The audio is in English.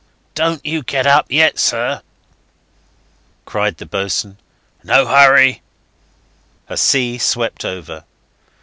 "Don't you get up yet, sir," cried the boatswain. "No hurry!" A sea swept over.